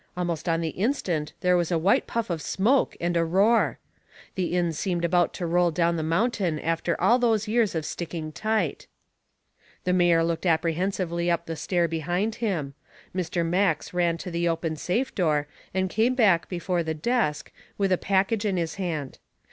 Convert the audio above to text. Almost on the instant there was a white puff of smoke and a roar. The inn seemed about to roll down the mountain after all those years of sticking tight. The mayor looked apprehensively up the stair behind him; Mr. Max ran to the open safe door and came back before the desk with a package in his hand.